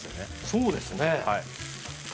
そうですね。